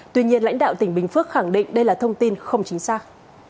tuy nhiên lãnh đạo tỉnh bình phước khẳng định đây là thông tin không chính xác